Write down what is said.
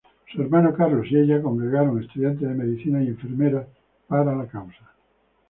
Su hermano Carlos, y ella congregaron estudiantes de medicina y enfermeras para la causa.